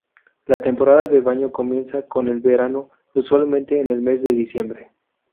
La temporada de baño comienza con el verano, usualmente en el mes de diciembre.